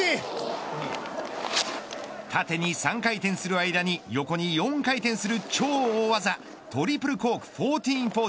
縦に３回転する間に横４回転する超大技トリプルコーク１４４０。